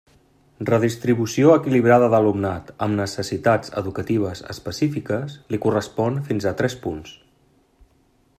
Redistribució equilibrada d'alumnat amb necessitats educatives específiques, li correspon fins a tres punts.